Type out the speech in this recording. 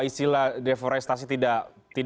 istilah deforestasi tidak